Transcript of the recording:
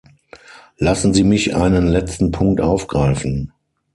Lassen Sie mich einen letzten Punkt aufgreifen.